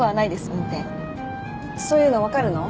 運転そういうのわかるの？